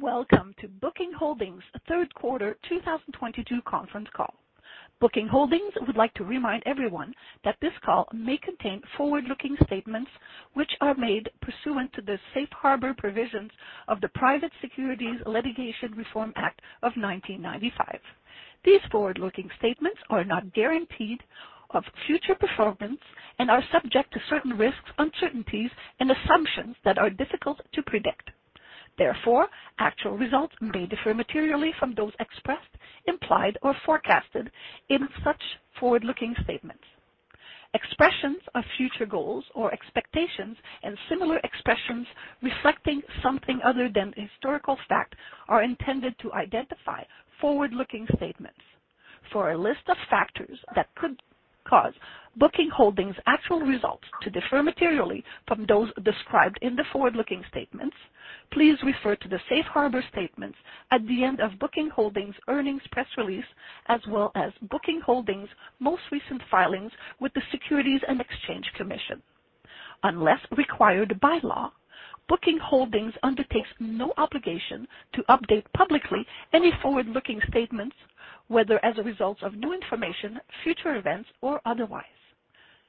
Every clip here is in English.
Welcome to Booking Holdings third quarter 2022 conference call. Booking Holdings would like to remind everyone that this call may contain forward-looking statements which are made pursuant to the safe harbor provisions of the Private Securities Litigation Reform Act of 1995. These forward-looking statements are not guaranteed of future performance and are subject to certain risks, uncertainties and assumptions that are difficult to predict. Therefore, actual results may differ materially from those expressed, implied, or forecasted in such forward-looking statements. Expressions of future goals or expectations and similar expressions reflecting something other than historical fact are intended to identify forward-looking statements. For a list of factors that could cause Booking Holdings actual results to differ materially from those described in the forward-looking statements, please refer to the safe harbor statements at the end of Booking Holdings earnings press release, as well as Booking Holdings most recent filings with the Securities and Exchange Commission. Unless required by law, Booking Holdings undertakes no obligation to update publicly any forward-looking statements, whether as a result of new information, future events, or otherwise.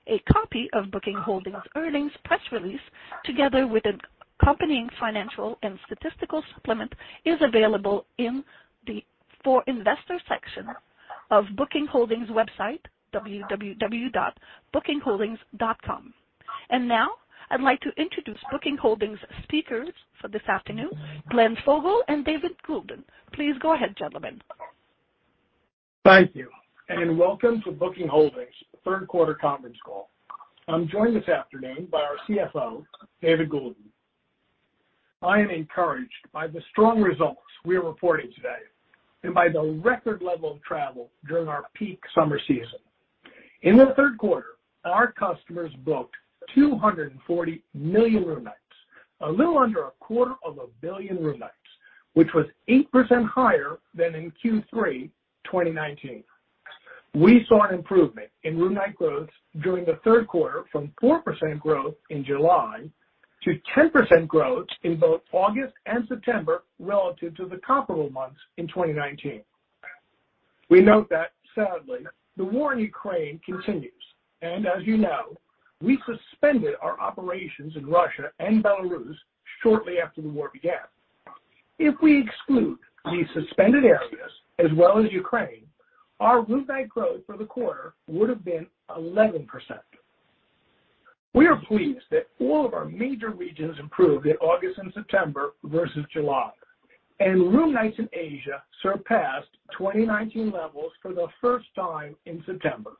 A copy of Booking Holdings earnings press release, together with an accompanying financial and statistical supplement, is available in the For Investors section of Booking Holdings website, www.bookingholdings.com. Now I'd like to introduce Booking Holdings speakers for this afternoon, Glenn Fogel and David Goulden. Please go ahead, gentlemen. Thank you and welcome to Booking Holdings Third Quarter Conference Call. I'm joined this afternoon by our CFO, David Goulden. I am encouraged by the strong results we are reporting today and by the record level of travel during our peak summer season. In the third quarter, our customers booked 240 million room nights, a little under a quarter of a billion room nights, which was 8% higher than in Q3 2019. We saw an improvement in room night growth during the third quarter from 4% growth in July to 10% growth in both August and September relative to the comparable months in 2019. We note that sadly, the war in Ukraine continues, and as you know, we suspended our operations in Russia and Belarus shortly after the war began. If we exclude these suspended areas as well as Ukraine, our room nights growth for the quarter would have been 11%. We are pleased that all of our major regions improved in August and September versus July, and room nights in Asia surpassed 2019 levels for the first time in September.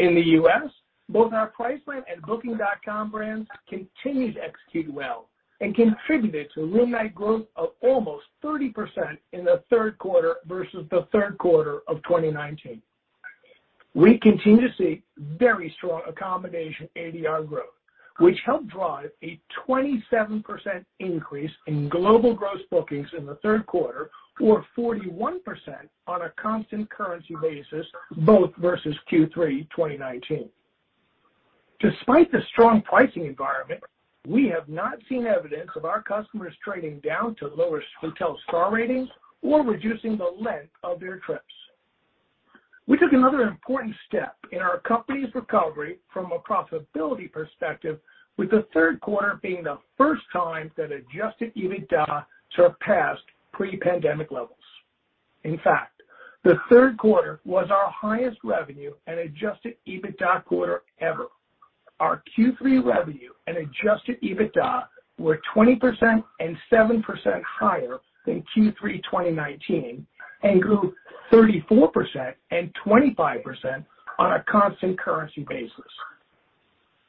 In the US, both our Priceline and Booking.com brands continued to execute well and contributed to a room nights growth of almost 30% in the third quarter versus the third quarter of 2019. We continue to see very strong accommodation ADR growth, which helped drive a 27% increase in global gross bookings in the third quarter, or 41% on a constant currency basis, both versus Q3 2019. Despite the strong pricing environment, we have not seen evidence of our customers trading down to lower hotel star ratings or reducing the length of their trips. We took another important step in our company's recovery from a profitability perspective, with the third quarter being the first time that adjusted EBITDA surpassed pre-pandemic levels. In fact, the third quarter was our highest revenue and adjusted EBITDA quarter ever. Our Q3 revenue and adjusted EBITDA were 20% and 7% higher than Q3 2019 and grew 34% and 25% on a constant currency basis.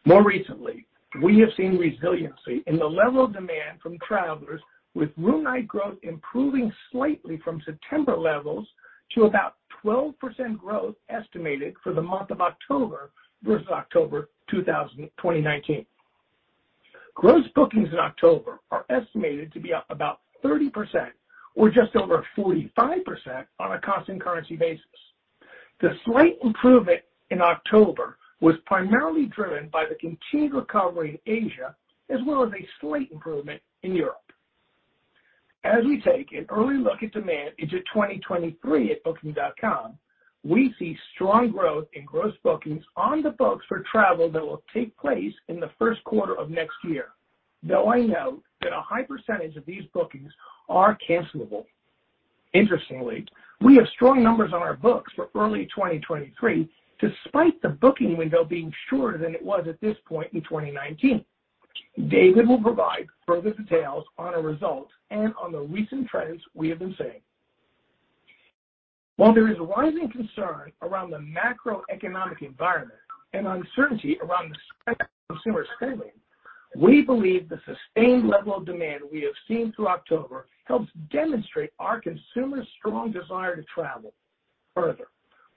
More recently, we have seen resiliency in the level of demand from travelers with room night growth improving slightly from September levels to about 12% growth estimated for the month of October versus October 2019. Gross bookings in October are estimated to be up about 30% or just over 45% on a constant currency basis. The slight improvement in October was primarily driven by the continued recovery in Asia as well as a slight improvement in Europe. As we take an early look at demand into 2023 at Booking.com, we see strong growth in gross bookings on the books for travel that will take place in the first quarter of next year, though I note that a high percentage of these bookings are cancelable. Interestingly, we have strong numbers on our books for early 2023 despite the booking window being shorter than it was at this point in 2019. David will provide further details on our results and on the recent trends we have been seeing. While there is rising concern around the macroeconomic environment and uncertainty around the strength of consumer spending, we believe the sustained level of demand we have seen through October helps demonstrate our consumer's strong desire to travel. Further,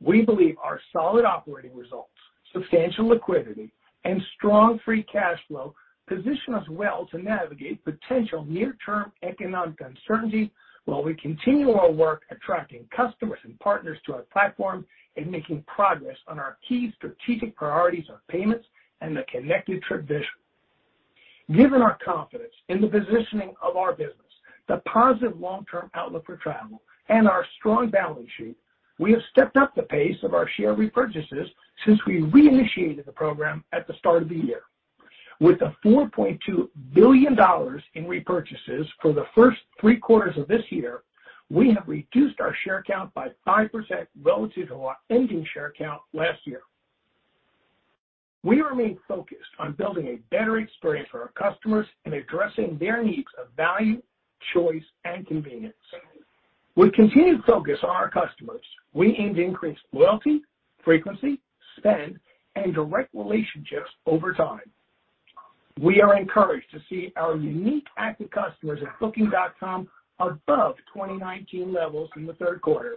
we believe our solid operating results, substantial liquidity and strong free cash flow position us well to navigate potential near-term economic uncertainty while we continue our work attracting customers and partners to our platform and making progress on our key strategic priorities of payments and the Connected Trip. Given our confidence in the positioning of our business, the positive long-term outlook for travel, and our strong balance sheet, we have stepped up the pace of our share repurchases since we reinitiated the program at the start of the year. With the $4.2 billion in repurchases for the first three quarters of this year, we have reduced our share count by 5% relative to our ending share count last year. We remain focused on building a better experience for our customers and addressing their needs of value, choice, and convenience. With continued focus on our customers, we aim to increase loyalty, frequency, spend, and direct relationships over time. We are encouraged to see our unique active customers at Booking.com above 2019 levels in the third quarter,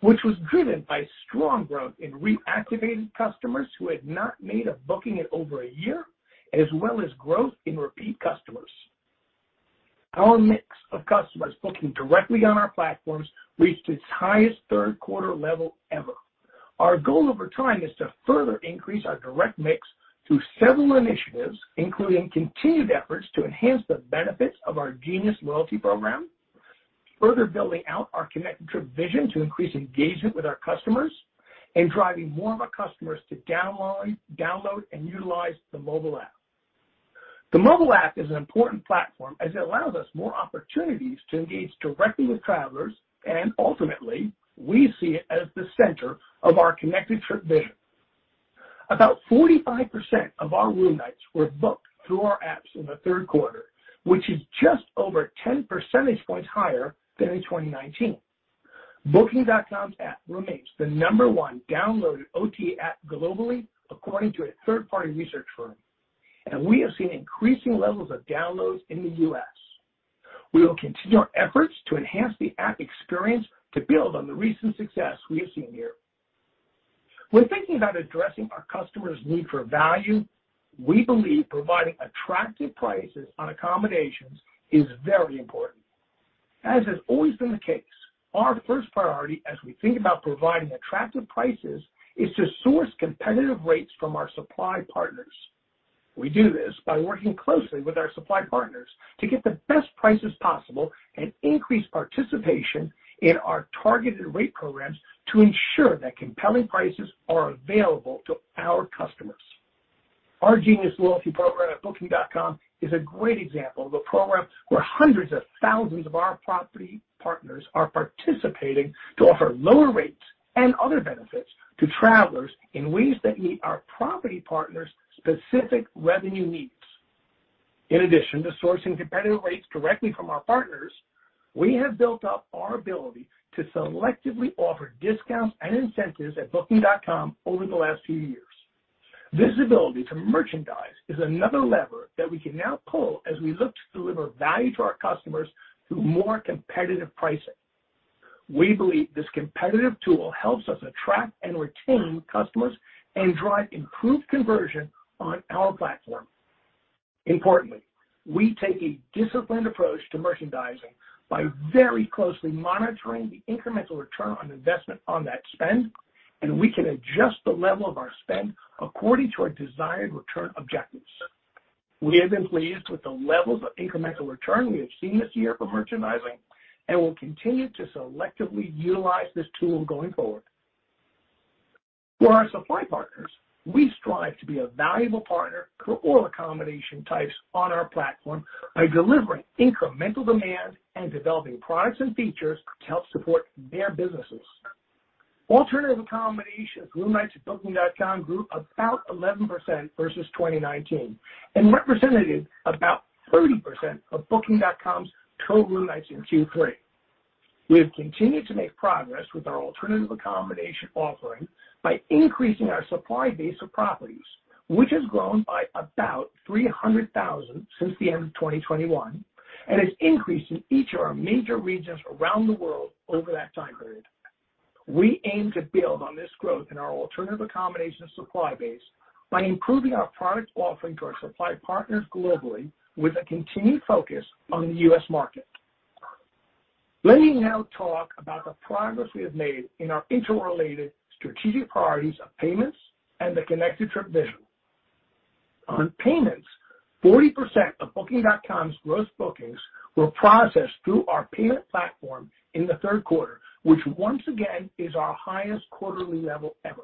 which was driven by strong growth in reactivated customers who had not made a booking in over a year, as well as growth in repeat customers. Our mix of customers booking directly on our platforms reached its highest third quarter level ever. Our goal over time is to further increase our direct mix through several initiatives, including continued efforts to enhance the benefits of our Genius loyalty program, further building out our Connected Trip vision to increase engagement with our customers, and driving more of our customers to download and utilize the mobile app. The mobile app is an important platform as it allows us more opportunities to engage directly with travelers, and ultimately, we see it as the center of our Connected Trip vision. About 45% of our room nights were booked through our apps in the third quarter, which is just over 10 percentage points higher than in 2019. Booking.com's app remains the number one downloaded OTA app globally according to a third-party research firm, and we have seen increasing levels of downloads in the U.S. We will continue our efforts to enhance the app experience to build on the recent success we have seen here. When thinking about addressing our customers' need for value, we believe providing attractive prices on accommodations is very important. As has always been the case, our first priority as we think about providing attractive prices is to source competitive rates from our supply partners. We do this by working closely with our supply partners to get the best prices possible and increase participation in our targeted rate programs to ensure that compelling prices are available to our customers. Our Genius loyalty program at Booking.com is a great example of a program where hundreds of thousands of our property partners are participating to offer lower rates and other benefits to travelers in ways that meet our property partners' specific revenue needs. In addition to sourcing competitive rates directly from our partners, we have built up our ability to selectively offer discounts and incentives at Booking.com over the last few years. This ability to merchandise is another lever that we can now pull as we look to deliver value to our customers through more competitive pricing. We believe this competitive tool helps us attract and retain customers and drive improved conversion on our platform. Importantly, we take a disciplined approach to merchandising by very closely monitoring the incremental return on investment on that spend, and we can adjust the level of our spend according to our desired return objectives. We have been pleased with the levels of incremental return we have seen this year for merchandising and will continue to selectively utilize this tool going forward. For our supply partners, we strive to be a valuable partner for all accommodation types on our platform by delivering incremental demand and developing products and features to help support their businesses. Alternative accommodations room nights at Booking.com grew about 11% versus 2019 and represented about 30% of Booking.com's total room nights in Q3. We have continued to make progress with our alternative accommodation offering by increasing our supply base of properties, which has grown by about 300,000 since the end of 2021 and is increasing each of our major regions around the world over that time period. We aim to build on this growth in our alternative accommodation supply base by improving our product offering to our supply partners globally with a continued focus on the U.S. market. Let me now talk about the progress we have made in our interrelated strategic priorities of payments and the Connected Trip vision. On payments, 40% of Booking.com's gross bookings were processed through our payment platform in the third quarter, which once again is our highest quarterly level ever.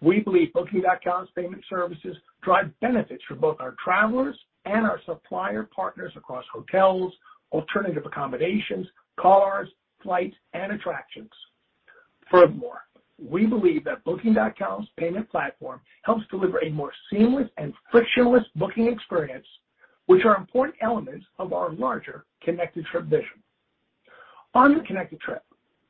We believe Booking.com's payment services drive benefits for both our travelers and our supplier partners across hotels, alternative accommodations, cars, flights, and attractions. Furthermore, we believe that Booking.com's payment platform helps deliver a more seamless and frictionless booking experience, which are important elements of our larger Connected Trip vision. On the Connected Trip,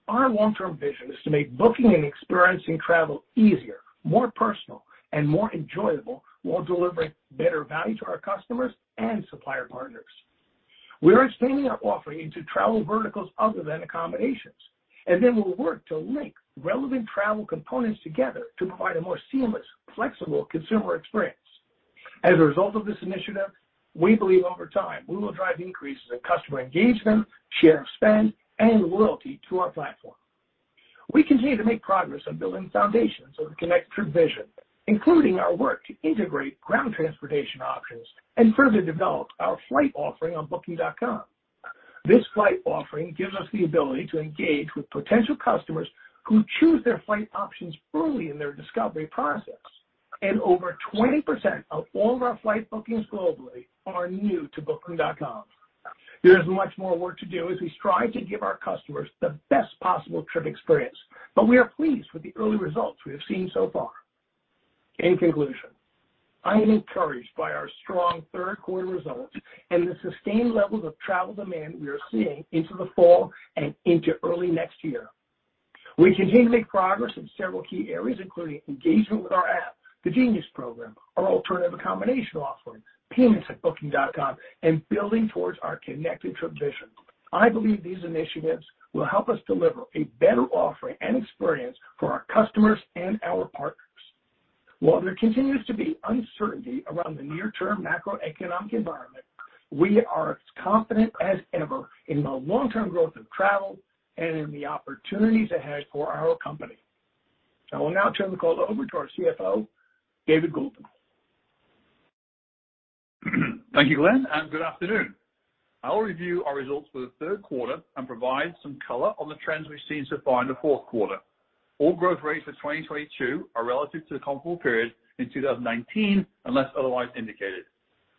our long-term vision is to make booking and experiencing travel easier, more personal, and more enjoyable while delivering better value to our customers and supplier partners. We are expanding our offering into travel verticals other than accommodations, and then we'll work to link relevant travel components together to provide a more seamless, flexible consumer experience. As a result of this initiative, we believe over time, we will drive increases in customer engagement, share of spend, and loyalty to our platform. We continue to make progress on building foundations of Connected Trip vision, including our work to integrate ground transportation options and further develop our flight offering on Booking.com. This flight offering gives us the ability to engage with potential customers who choose their flight options early in their discovery process. Over 20% of all of our flight bookings globally are new to Booking.com. There is much more work to do as we strive to give our customers the best possible trip experience, but we are pleased with the early results we have seen so far. In conclusion, I am encouraged by our strong third quarter results and the sustained levels of travel demand we are seeing into the fall and into early next year. We continue to make progress in several key areas, including engagement with our app, the Genius program, our alternative accommodation offering, payments at Booking.com, and building towards our Connected Trip vision. I believe these initiatives will help us deliver a better offering and experience for our customers and our partners. While there continues to be uncertainty around the near-term macroeconomic environment, we are as confident as ever in the long-term growth of travel and in the opportunities ahead for our company. I will now turn the call over to our CFO, David Goulden. Thank you, Glenn, and good afternoon. I will review our results for the third quarter and provide some color on the trends we've seen so far in the fourth quarter. All growth rates for 2022 are relative to the comparable period in 2019, unless otherwise indicated.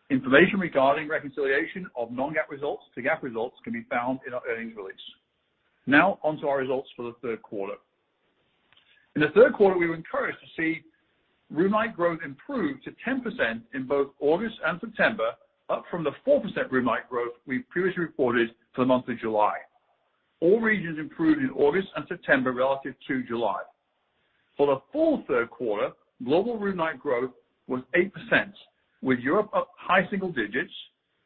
Information regarding reconciliation of non-GAAP results to GAAP results can be found in our earnings release. Now on to our results for the third quarter. In the third quarter, we were encouraged to see room nights growth improve to 10% in both August and September, up from the 4% room nights growth we previously reported for the month of July. All regions improved in August and September relative to July. For the full third quarter, global room night growth was 8%, with Europe up high single digits,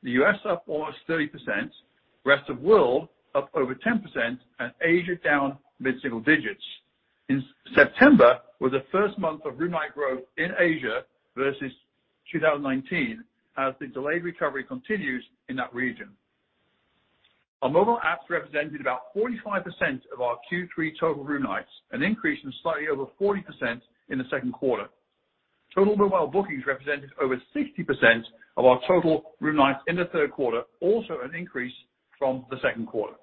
the US up almost 30%, rest of world up over 10%, and Asia down mid-single digits. In September was the first month of room night growth in Asia versus 2019 as the delayed recovery continues in that region. Our mobile apps represented about 45% of our Q3 total room nights, an increase from slightly over 40% in the second quarter. Total mobile bookings represented over 60% of our total room nights in the third quarter, also an increase from the second quarter.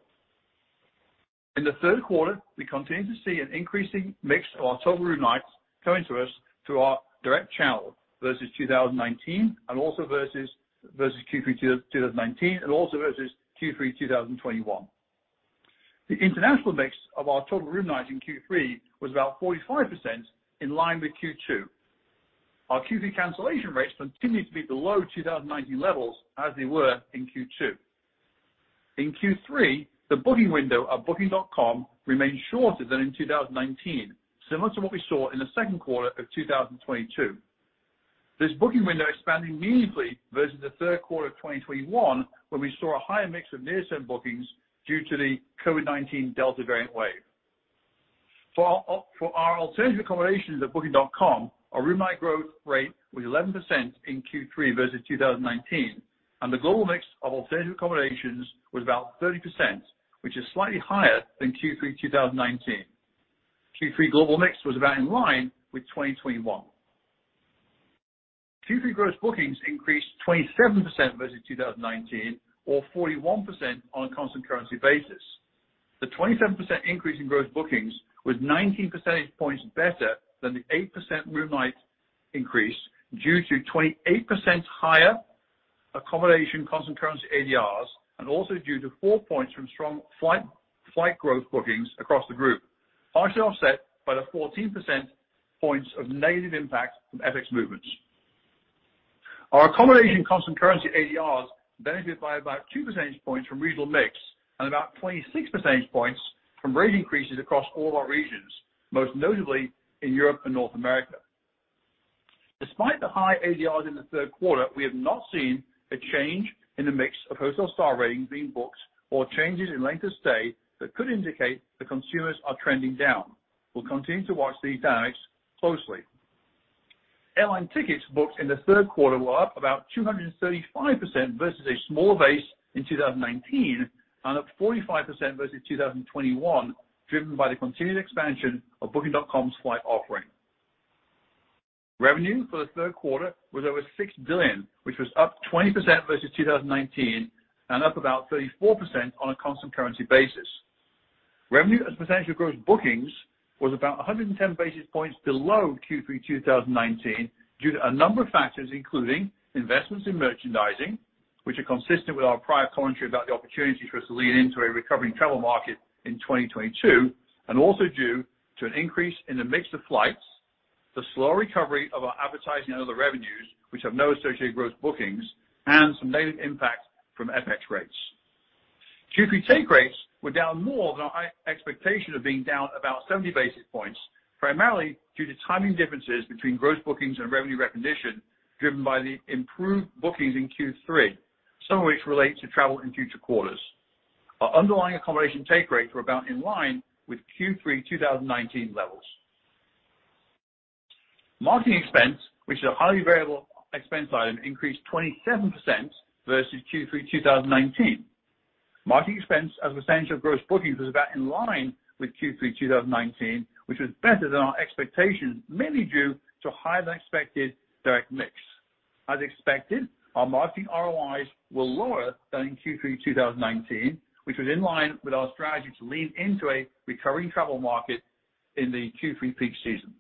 In the third quarter, we continued to see an increasing mix of our total room nights coming to us through our direct channel versus 2019 and also versus Q3 2019 and also versus Q3 2021. The international mix of our total room nights in Q3 was about 45% in line with Q2. Our Q3 cancellation rates continued to be below 2019 levels, as they were in Q2. In Q3, the booking window at Booking.com remained shorter than in 2019, similar to what we saw in the second quarter of 2022. This booking window expanding meaningfully versus the third quarter of 2021, where we saw a higher mix of near-term bookings due to the COVID-19 Delta variant wave. For our alternative accommodations at Booking.com, our room nights growth rate was 11% in Q3 versus 2019, and the global mix of alternative accommodations was about 30%, which is slightly higher than Q3 2019. Q3 global mix was about in line with 2021. Q3 gross bookings increased 27% versus 2019 or 41% on a constant currency basis. The 27% increase in gross bookings was 19 percentage points better than the 8% room nights increase due to 28% higher accommodation constant currency ADRs and also due to 4 points from strong flight growth bookings across the group, partially offset by the 14 percentage points of negative impact from FX movements. Our accommodation constant currency ADRs benefited by about 2 percentage points from regional mix and about 26 percentage points from rate increases across all our regions, most notably in Europe and North America. Despite the high ADRs in the third quarter, we have not seen a change in the mix of hotel star ratings being booked or changes in length of stay that could indicate that consumers are trending down. We'll continue to watch these dynamics closely. Airline tickets booked in the third quarter were up about 235% versus a small base in 2019 and up 45% versus 2021, driven by the continued expansion of Booking.com's flight offering. Revenue for the third quarter was over $6 billion, which was up 20% versus 2019 and up about 34% on a constant currency basis. Revenue as a percentage of gross bookings was about 110 basis points below Q3 2019 due to a number of factors, including investments in merchandising, which are consistent with our prior commentary about the opportunities for us to lean into a recovering travel market in 2022, and also due to an increase in the mix of flights, the slow recovery of our advertising and other revenues, which have no associated gross bookings, and some negative impact from FX rates. Q3 take rates were down more than our high expectation of being down about 70 basis points, primarily due to timing differences between gross bookings and revenue recognition driven by the improved bookings in Q3, some of which relate to travel in future quarters. Our underlying accommodation take rates were about in line with Q3 2019 levels. Marketing expense, which is a highly variable expense item, increased 27% versus Q3 2019. Marketing expense as a percentage of gross bookings was about in line with Q3 2019, which was better than our expectations, mainly due to higher than expected direct mix. As expected, our marketing ROIs were lower than in Q3 2019, which was in line with our strategy to lean into a recurring travel market in the Q3 peak season.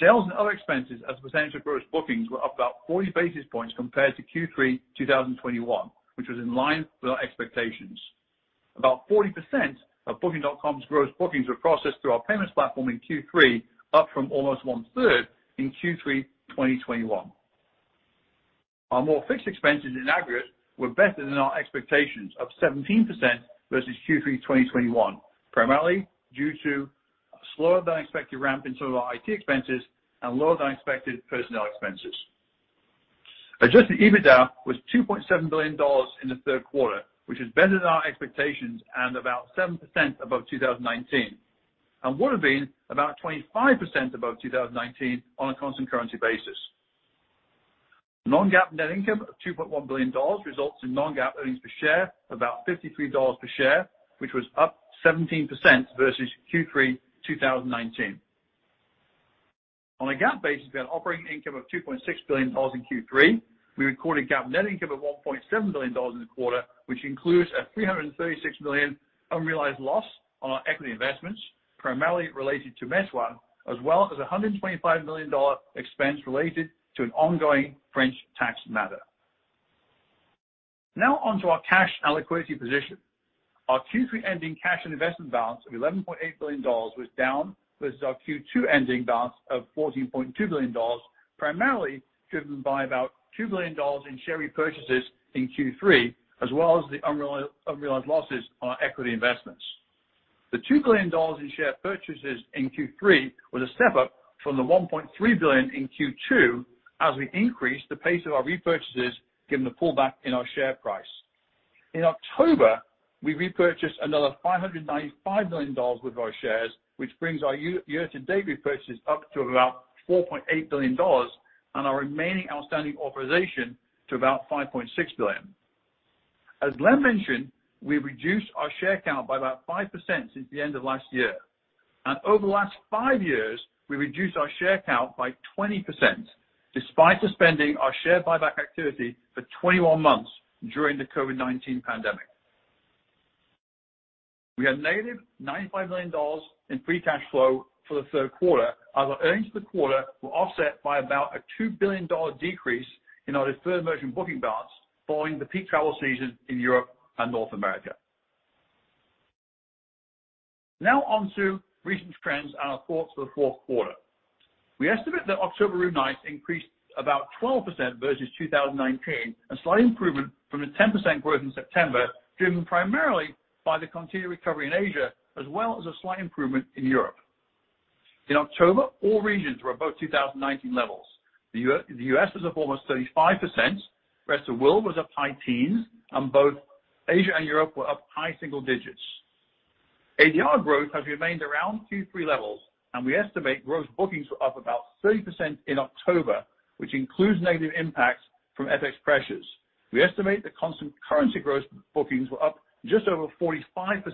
Sales and other expenses as a percentage of gross bookings were up about 40 basis points compared to Q3 2021, which was in line with our expectations. About 40% of Booking.com's gross bookings were processed through our payments platform in Q3, up from almost one-third in Q3 2021. Our fixed expenses in aggregate were better than our expectations of 17% versus Q3 2021, primarily due to a slower than expected ramp in some of our IT expenses and lower than expected personnel expenses. Adjusted EBITDA was $2.7 billion in the third quarter, which is better than our expectations and about 7% above 2019, and would have been about 25% above 2019 on a constant currency basis. Non-GAAP net income of $2.1 billion results in non-GAAP earnings per share of about $53 per share, which was up 17% versus Q3 2019. On a GAAP basis, we had operating income of $2.6 billion in Q3. We recorded GAAP net income of $1.7 billion in the quarter, which includes a $336 million unrealized loss on our equity investments, primarily related to Meituan, as well as a $125 million expense related to an ongoing French tax matter. Now on to our cash and liquidity position. Our Q3 ending cash and investment balance of $11.8 billion was down versus our Q2 ending balance of $14.2 billion, primarily driven by about $2 billion in share repurchases in Q3, as well as the unrealized losses on our equity investments. The $2 billion in share purchases in Q3 was a step up from the $1.3 billion in Q2 as we increased the pace of our repurchases given the pullback in our share price. In October, we repurchased another $595 million worth of our shares, which brings our year-to-date repurchases up to about $4.8 billion and our remaining outstanding authorization to about $5.6 billion. As Glenn mentioned, we reduced our share count by about 5% since the end of last year. Over the last 5 years, we reduced our share count by 20%, despite suspending our share buyback activity for 20 months during the COVID-19 pandemic. We had -$95 million in free cash flow for the third quarter, as our earnings for the quarter were offset by about a $2 billion decrease in our deferred merchant bookings balance following the peak travel season in Europe and North America. Now on to recent trends and our thoughts for the fourth quarter. We estimate that October room nights increased about 12% versus 2019, a slight improvement from the 10% growth in September, driven primarily by the continued recovery in Asia, as well as a slight improvement in Europe. In October, all regions were above 2019 levels. The US was up almost 35%, rest of world was up high teens, and both Asia and Europe were up high single digits. ADR growth has remained around Q3 levels, and we estimate gross bookings were up about 30% in October, which includes negative impacts from FX pressures. We estimate that constant currency gross bookings were up just over 45%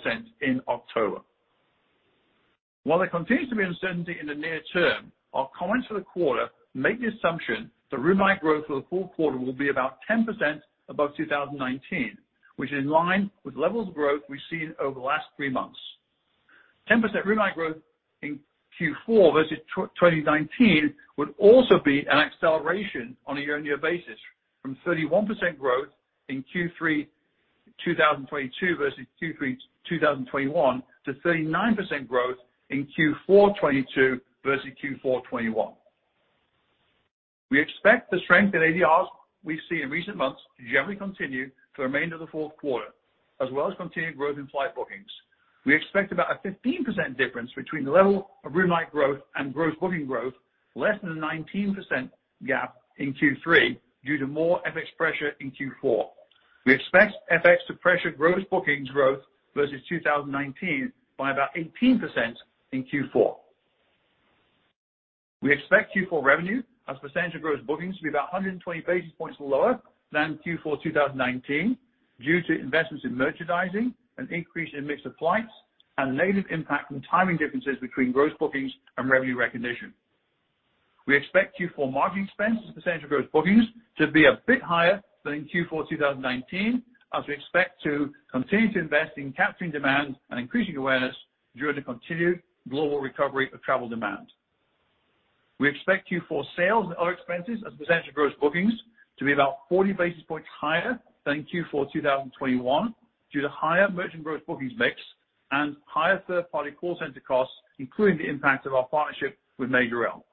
in October. While there continues to be uncertainty in the near term, our comments for the quarter make the assumption that room nights growth for the full quarter will be about 10% above 2019, which is in line with levels of growth we've seen over the last three months. 10% room nights growth in Q4 versus 2019 would also be an acceleration on a year-on-year basis from 31% growth in Q3 2022 versus Q3 2021 to 39% growth in Q4 2022 versus Q4 2021. We expect the strength in ADRs we see in recent months to generally continue for the remainder of the fourth quarter, as well as continued growth in flight bookings. We expect about a 15% difference between the level of room nights growth and gross bookings growth, less than the 19% gap in Q3 due to more FX pressure in Q4. We expect FX to pressure gross bookings growth versus 2019 by about 18% in Q4. We expect Q4 revenue as a percentage of gross bookings to be about 120 basis points lower than Q4 2019 due to investments in merchandising, an increase in mix of flights, and negative impact from timing differences between gross bookings and revenue recognition. We expect Q4 marketing expense as a percentage of gross bookings to be a bit higher than in Q4 2019, as we expect to continue to invest in capturing demand and increasing awareness during the continued global recovery of travel demand. We expect Q4 sales and other expenses as a percentage of gross bookings to be about 40 basis points higher than Q4 2021 due to higher merchant gross bookings mix and higher third-party call center costs, including the impact of our partnership with Majorel.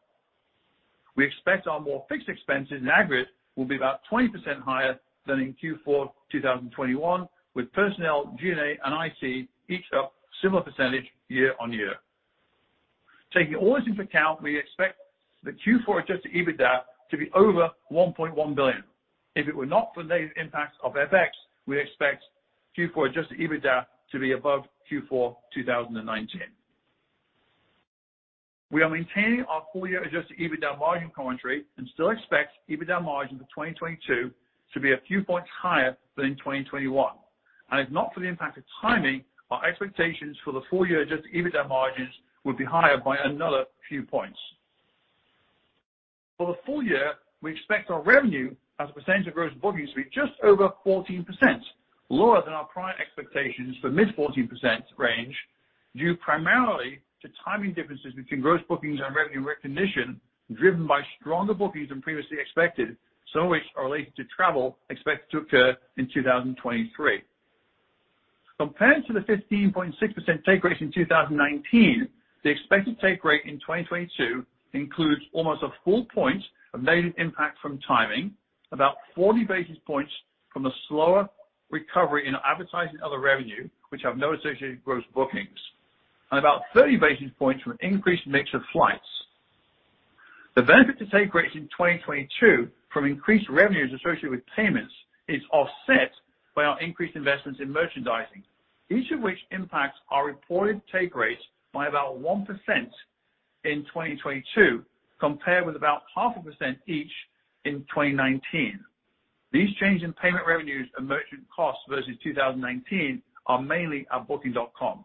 We expect our more fixed expenses in aggregate will be about 20% higher than in Q4 2021, with personnel, G&A and IT each up similar percentage year-on-year. Taking all this into account, we expect the Q4 adjusted EBITDA to be over $1.1 billion. If it were not for the negative impacts of FX, we expect Q4 adjusted EBITDA to be above Q4 2019. We are maintaining our full-year adjusted EBITDA margin commentary and still expect EBITDA margin for 2022 to be a few points higher than in 2021. If not for the impact of timing, our expectations for the full-year adjusted EBITDA margins would be higher by another few points. For the full year, we expect our revenue as a percentage of gross bookings to be just over 14%, lower than our prior expectations for mid-14% range, due primarily to timing differences between gross bookings and revenue recognition, driven by stronger bookings than previously expected, some of which are related to travel expected to occur in 2023. Compared to the 15.6% take rate in 2019, the expected take rate in 2022 includes almost a full point of negative impact from timing, about 40 basis points from the slower recovery in advertising other revenue, which have no associated gross bookings, and about 30 basis points from increased mix of flights. The benefit to take rates in 2022 from increased revenues associated with payments is offset by our increased investments in merchandising, each of which impacts our reported take rates by about 1% in 2022, compared with about 0.5% each in 2019. These changes in payment revenues and merchant costs versus 2019 are mainly at Booking.com.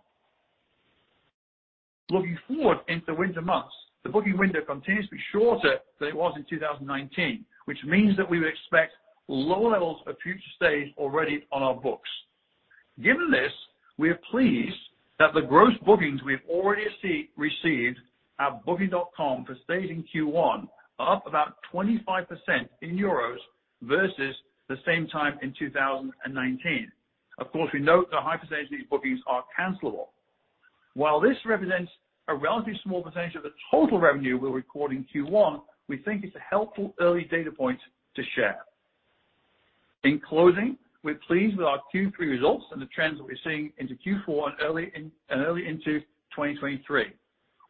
Looking forward into winter months, the booking window continues to be shorter than it was in 2019, which means that we would expect lower levels of future stays already on our books. Given this, we are pleased that the gross bookings we have already received at Booking.com for stays in Q1 are up about 25% in euros versus the same time in 2019. Of course, we note that a high percentage of these bookings are cancelable. While this represents a relatively small percentage of the total revenue we'll record in Q1, we think it's a helpful early data point to share. In closing, we're pleased with our Q3 results and the trends that we're seeing into Q4 and early into 2023.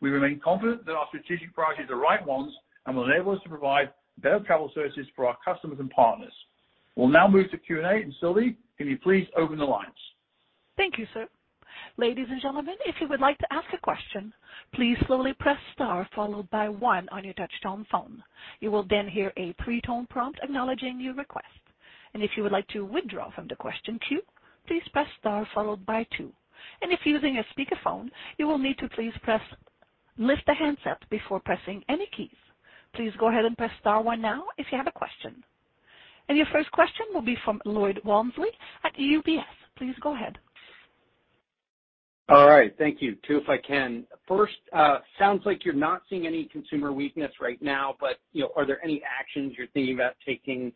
We remain confident that our strategic priorities are the right ones and will enable us to provide better travel services for our customers and partners. We'll now move to Q&A. Sylvie, can you please open the lines? Thank you, sir. Ladies and gentlemen, if you would like to ask a question, please slowly press star followed by one on your touchtone phone. You will then hear a pre-tone prompt acknowledging your request. If you would like to withdraw from the question queue, please press star followed by two. If you're using a speakerphone, you will need to lift the handset before pressing any keys. Please go ahead and press star one now if you have a question. Your first question will be from Lloyd Walmsley at UBS. Please go ahead. All right. Thank you. Two, if I can. First, sounds like you're not seeing any consumer weakness right now, but, you know, are there any actions you're thinking about taking,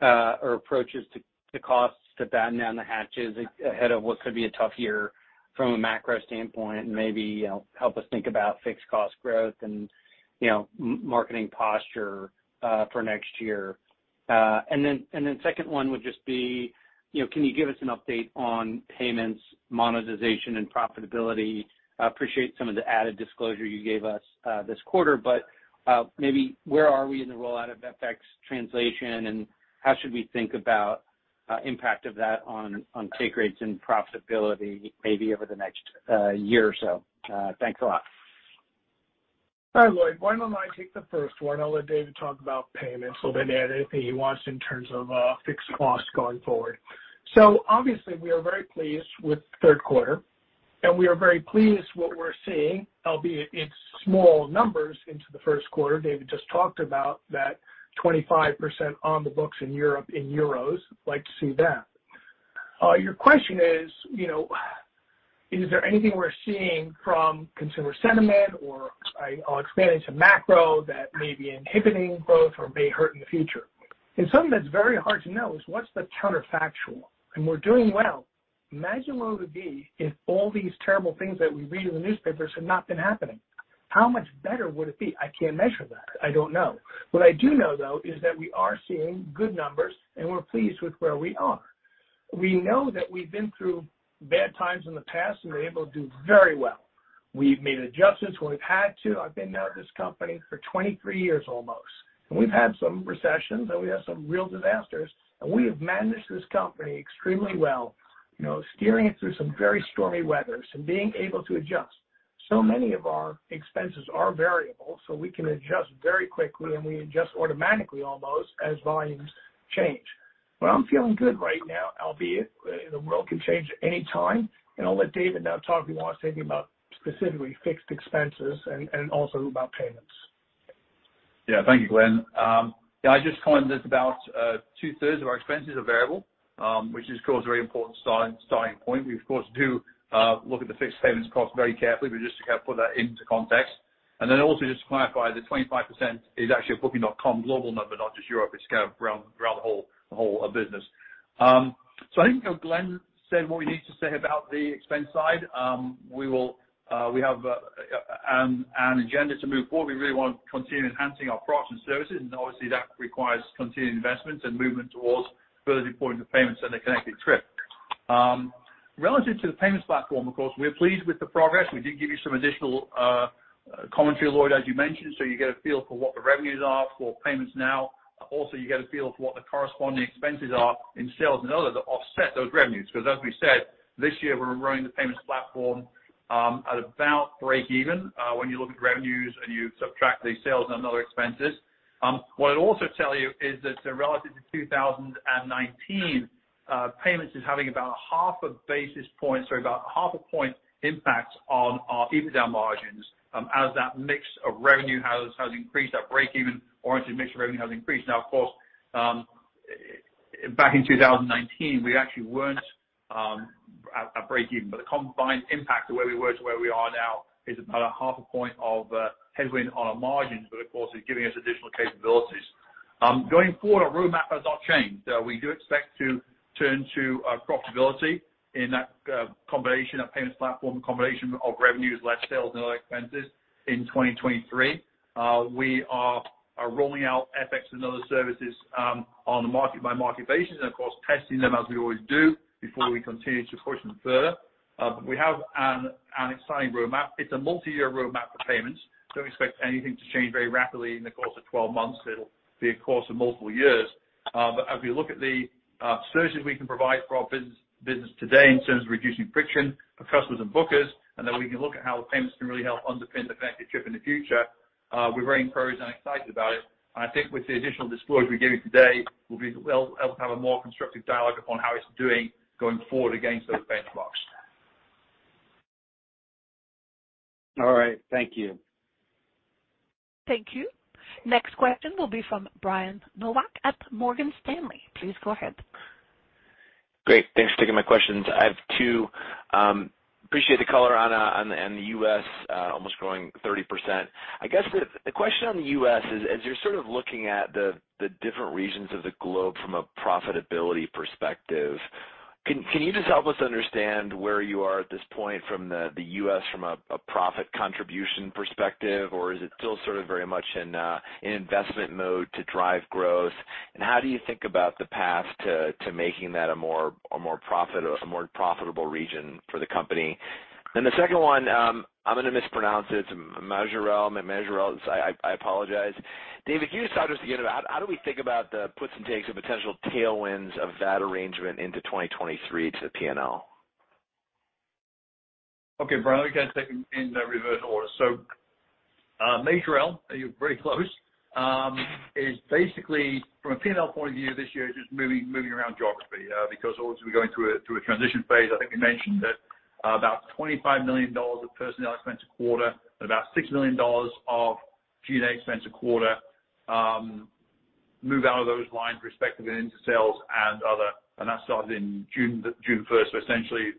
or approaches to costs to batten down the hatches ahead of what could be a tough year from a macro standpoint, and maybe, you know, help us think about fixed cost growth and, you know, marketing posture, for next year? Second one would just be, you know, can you give us an update on payments, monetization, and profitability? I appreciate some of the added disclosure you gave us, this quarter, but, maybe where are we in the rollout of FX translation, and how should we think about impact of that on take rates and profitability maybe over the next year or so? Thanks a lot. Hi, Lloyd. Why don't I take the first one? I'll let David talk about payments, he'll then add anything he wants in terms of fixed costs going forward. Obviously, we are very pleased with the third quarter, and we are very pleased what we're seeing, albeit it's small numbers into the first quarter. David just talked about that 25% on the books in Europe in euros. Like to see that. Your question is, you know, is there anything we're seeing from consumer sentiment, or I'll expand into macro, that may be inhibiting growth or may hurt in the future? Something that's very hard to know is what's the counterfactual, and we're doing well. Imagine what it would be if all these terrible things that we read in the newspapers had not been happening. How much better would it be? I can't measure that. I don't know. What I do know, though, is that we are seeing good numbers, and we're pleased with where we are. We know that we've been through bad times in the past and were able to do very well. We've made adjustments when we've had to. I've been now at this company for 23 years almost, and we've had some recessions, and we've had some real disasters, and we have managed this company extremely well, you know, steering it through some very stormy weather and being able to adjust. So many of our expenses are variable, so we can adjust very quickly, and we adjust automatically almost as volumes change. But I'm feeling good right now, albeit the world can change at any time. I'll let David now talk if he wants to anything about specifically fixed expenses and also about payments. Yeah. Thank you, Glenn. Yeah, I just commented about two-thirds of our expenses are variable, which is, of course, a very important starting point. We, of course, do look at the fixed costs very carefully, but just to kind of put that into context. Then also just to clarify, the 25% is actually a Booking.com global number, not just Europe. It's kind of around the whole business. So I think, you know, Glenn said what we need to say about the expense side. We have an agenda to move forward. We really want to continue enhancing our products and services, and obviously, that requires continued investments and movement towards further deploying the payments and the Connected Trip. Relative to the payments platform, of course, we're pleased with the progress. We did give you some additional commentary, Lloyd, as you mentioned, so you get a feel for what the revenues are for payments now. Also, you get a feel for what the corresponding expenses are in sales and others that offset those revenues, 'cause as we said, this year, we're running the payments platform at about breakeven when you look at revenues and you subtract the sales and other expenses. What I'd also tell you is that relative to 2019, payments is having about half a point impact on our EBITDA margins as that mix of revenue has increased, that breakeven oriented mix of revenue has increased. Now of course, back in 2019, we actually weren't at breakeven. The combined impact of where we were to where we are now is about a half a point of headwind on our margins, but of course, is giving us additional capabilities. Going forward, our roadmap has not changed. We do expect to turn to profitability in that combination of payments platform, combination of revenues, less sales and other expenses in 2023. We are rolling out FX and other services on a market by market basis, and of course, testing them as we always do before we continue to push them further. We have an exciting roadmap. It's a multiyear roadmap for payments, don't expect anything to change very rapidly in the course of 12 months. It'll be a course of multiple years. As we look at the services we can provide for our business today in terms of reducing friction for customers and bookers, and then we can look at how payments can really help underpin the Connected Trip in the future, we're very encouraged and excited about it. I think with the additional disclosure we're giving today, we'll be able to have a more constructive dialogue upon how it's doing going forward against those benchmarks. All right. Thank you. Thank you. Next question will be from Brian Nowak at Morgan Stanley. Please go ahead. Great. Thanks for taking my questions. I have two. Appreciate the color on the U.S., almost growing 30%. I guess the question on the U.S. is, as you're sort of looking at the different regions of the globe from a profitability perspective, can you just help us understand where you are at this point from the U.S. from a profit contribution perspective? Or is it still sort of very much in investment mode to drive growth? And how do you think about the path to making that a more profitable region for the company? The second one, I'm gonna mispronounce it. It's Majorel. I apologize. David, can you just talk to us again about how do we think about the puts and takes of potential tailwinds of that arrangement into 2023 to the P&L? Okay, Brian, let me kind of take them in reverse order. Majorel, you're very close, is basically from a P&L point of view, this year just moving around geography, because obviously we're going through a transition phase. I think we mentioned that, about $25 million of personnel expense a quarter and about $6 million of G&A expense a quarter, move out of those lines respectively into sales and other, and that started in June first. Essentially,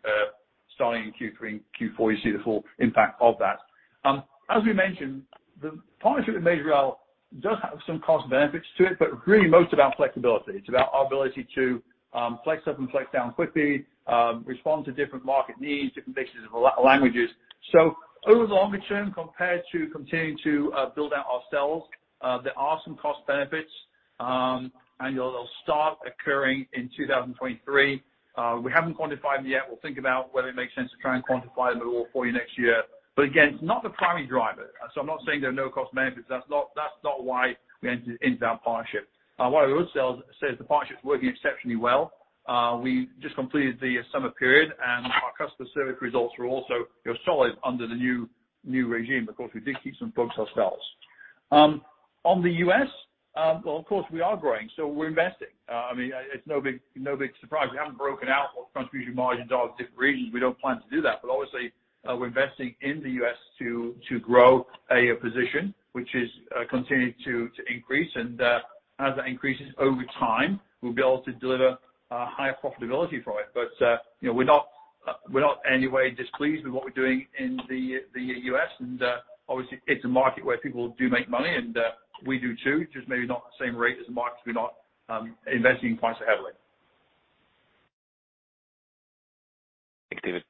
starting in Q3 and Q4, you see the full impact of that. As we mentioned, the partnership with Majorel does have some cost benefits to it, but really most about flexibility. It's about our ability to, flex up and flex down quickly, respond to different market needs, different mixes of languages. Over the longer term, compared to continuing to build out ourselves, there are some cost benefits, and they'll start occurring in 2023. We haven't quantified them yet. We'll think about whether it makes sense to try and quantify them at all for you next year. Again, it's not the primary driver. I'm not saying there are no cost benefits. That's not why we entered into that partnership. One of the other analysts says the partnership's working exceptionally well. We just completed the summer period, and our customer service results were also, you know, solid under the new regime. Of course, we did keep some folks ourselves. In the U.S., well, of course, we are growing, so we're investing. I mean, it's no big surprise. We haven't broken out what contribution margins are of different regions. We don't plan to do that. Obviously, we're investing in the U.S. to grow a position which is continuing to increase. As that increases over time, we'll be able to deliver higher profitability for it. You know, we're not in any way displeased with what we're doing in the U.S. and obviously it's a market where people do make money and we do too, just maybe not the same rate as the markets we're not investing quite so heavily. Thanks, David.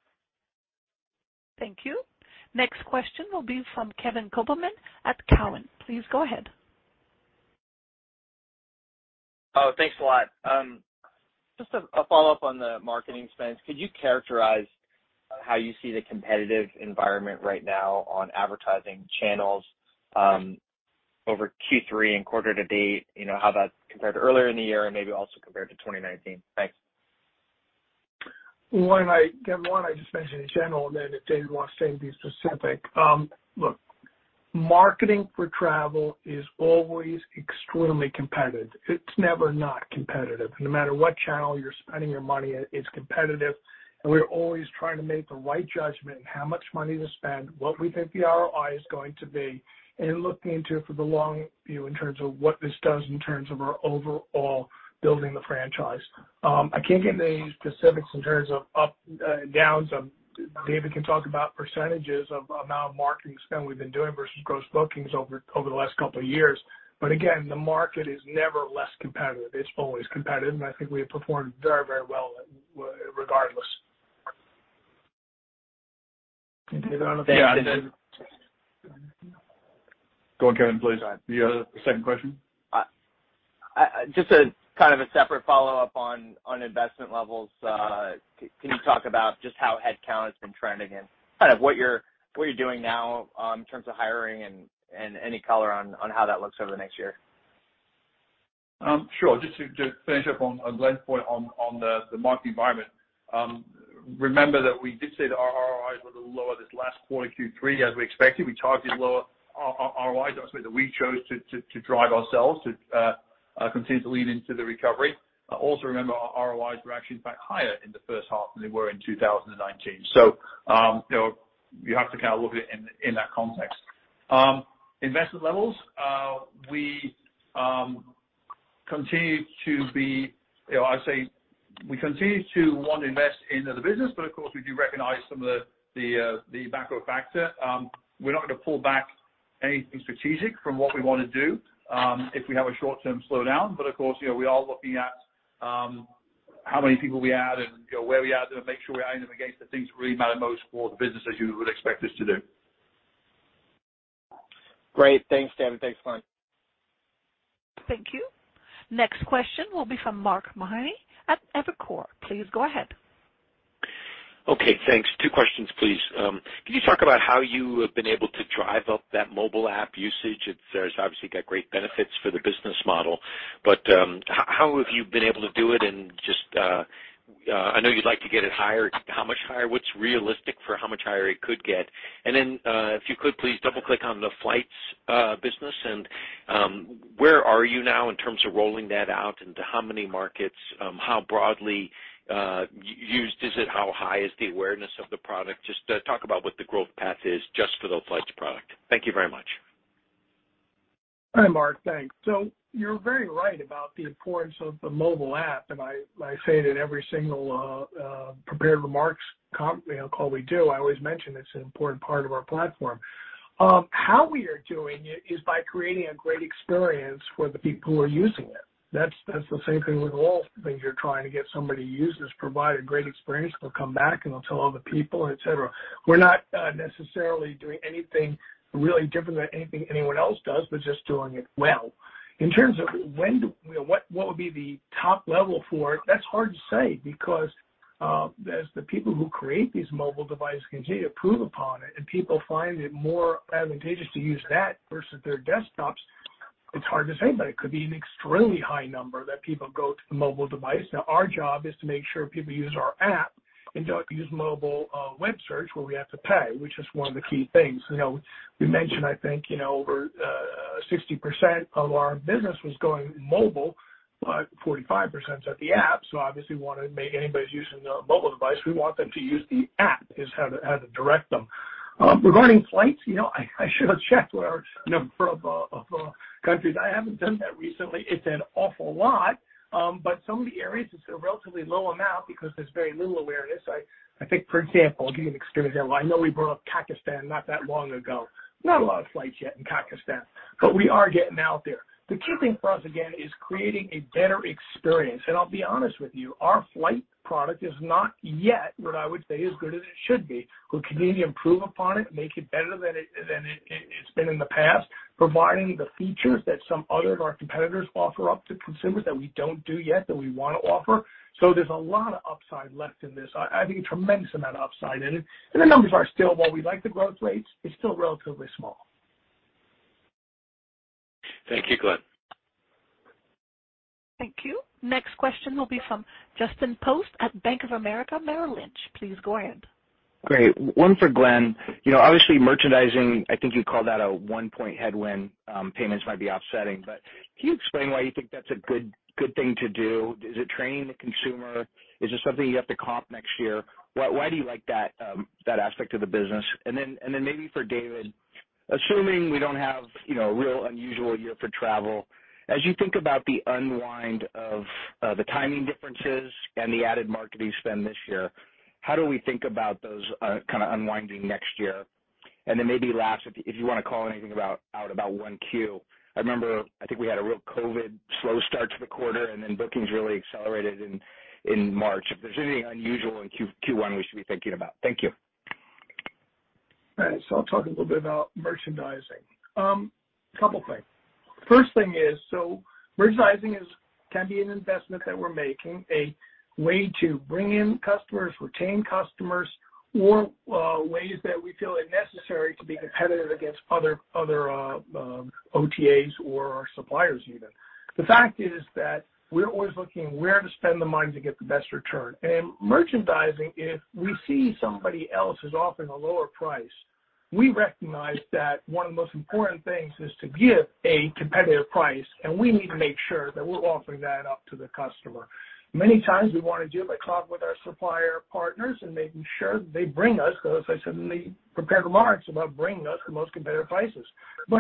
Thank you. Next question will be from Kevin Kopelman at Cowen. Please go ahead. Oh, thanks a lot. Just a follow-up on the marketing spend. Could you characterize how you see the competitive environment right now on advertising channels, over Q3 and quarter to date, you know, how that's compared to earlier in the year and maybe also compared to 2019? Thanks. Why don't I get one? I just mention in general, and then if David wants to be specific. Look, marketing for travel is always extremely competitive. It's never not competitive. No matter what channel you're spending your money in, it's competitive, and we're always trying to make the right judgment in how much money to spend, what we think the ROI is going to be, and looking into it for the long view in terms of what this does in terms of our overall building the franchise. I can't give any specifics in terms of up and downs. David can talk about percentages of amount of marketing spend we've been doing versus gross bookings over the last couple of years. Again, the market is never less competitive. It's always competitive, and I think we have performed very, very well regardless. Can take that one if. Yeah. Go on, Kevin, please. All right. The other second question. Just a kind of a separate follow-up on investment levels. Can you talk about just how headcount has been trending and kind of what you're doing now in terms of hiring and any color on how that looks over the next year? Just to finish up on Glenn's point on the market environment. Remember that we did say that our ROIs were a little lower this last quarter, Q3, as we expected. We targeted lower ROIs. Obviously, we chose to drive ourselves to continue to lean into the recovery. Also remember our ROIs were actually in fact higher in the first half than they were in 2019. You know, you have to kind of look at it in that context. Investment levels. We continue to be. You know, I say we continue to invest into the business, but of course we do recognize some of the macro factor. We're not gonna pull back anything strategic from what we wanna do, if we have a short-term slowdown. Of course, you know, we are looking at, how many people we add and, you know, where we add them and make sure we're adding them against the things that really matter most for the business as you would expect us to do. Great. Thanks, David. Thanks, Glenn. Thank you. Next question will be from Mark Mahaney at Evercore. Please go ahead. Okay, thanks. Two questions, please. Can you talk about how you have been able to drive up that mobile app usage? It's got great benefits for the business model, but how have you been able to do it? I know you'd like to get it higher. How much higher? What's realistic for how much higher it could get? Then, if you could please double-click on the flights business and where are you now in terms of rolling that out into how many markets? How broadly used is it? How high is the awareness of the product? Just talk about what the growth path is just for the flights product. Thank you very much. Hi, Mark. Thanks. You're very right about the importance of the mobile app, and I say it in every single prepared remarks you know call we do. I always mention it's an important part of our platform. How we are doing it is by creating a great experience for the people who are using it. That's the same thing with all things you're trying to get somebody to use, is provide a great experience. They'll come back, and they'll tell other people, et cetera. We're not necessarily doing anything really different than anything anyone else does but just doing it well. In terms of when you know, what would be the top level for it, that's hard to say because as the people who create these mobile devices continue to improve upon it, and people find it more advantageous to use that versus their desktops, it's hard to say, but it could be an extremely high number that people go to the mobile device. Now, our job is to make sure people use our app and don't use mobile web search where we have to pay, which is one of the key things. You know, we mentioned, I think, you know, over 60% of our business was going mobile, but 45%'s at the app. Obviously wanna make anybody that's using a mobile device, we want them to use the app, is how to direct them. Regarding flights, you know, I should have checked what our number of countries. I haven't done that recently. It's an awful lot. Some of the areas, it's a relatively low amount because there's very little awareness. I think, for example, I'll give you an extreme example. I know we brought up Kazakhstan not that long ago. Not a lot of flights yet in Kazakhstan, but we are getting out there. The key thing for us, again, is creating a better experience. I'll be honest with you, our flight product is not yet what I would say as good as it should be. We'll continue to improve upon it, make it better than it's been in the past, providing the features that some other of our competitors offer up to consumers that we don't do yet, that we wanna offer. There's a lot of upside left in this. I think a tremendous amount of upside in it. The numbers are still, while we like the growth rates, it's still relatively small. Thank you, Glenn. Thank you. Next question will be from Justin Post at Bank of America Merrill Lynch. Please go ahead. Great. One for Glenn. You know, obviously merchandising, I think you call that a one-point headwind, payments might be offsetting. Can you explain why you think that's a good thing to do? Is it training the consumer? Is it something you have to comp next year? Why do you like that aspect of the business? Then maybe for David, assuming we don't have, you know, a real unusual year for travel, as you think about the unwind of the timing differences and the added marketing spend this year, how do we think about those kinda unwinding next year? Then maybe last, if you wanna call anything out about 1Q. I remember I think we had a real COVID slow start to the quarter, and then bookings really accelerated in March. If there's anything unusual in Q1 we should be thinking about. Thank you. All right. I'll talk a little bit about merchandising. Couple things. First thing is, merchandising can be an investment that we're making, a way to bring in customers, retain customers, or ways that we feel are necessary to be competitive against other OTAs or our suppliers even. The fact is that we're always looking where to spend the money to get the best return. Merchandising, if we see somebody else is offering a lower price, we recognize that one of the most important things is to give a competitive price, and we need to make sure that we're offering that up to the customer. Many times, we wanna do it by talking with our supplier partners and making sure that they bring us, as I said in the prepared remarks, about bringing us the most competitive prices.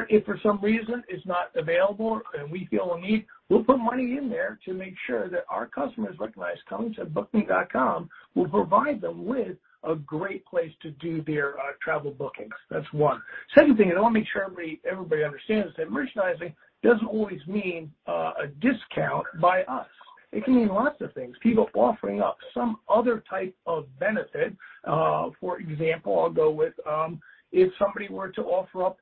If for some reason it's not available and we feel a need, we'll put money in there to make sure that our customers recognize coming to Booking.com, we'll provide them with a great place to do their travel bookings. That's one. Second thing, I wanna make sure everybody understands this, that merchandising doesn't always mean a discount by us. It can mean lots of things. People offering up some other type of benefit. For example, I'll go with if somebody were to offer up